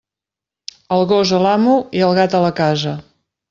El gos a l'amo, i el gat a la casa.